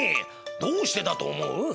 どうしてだと思う？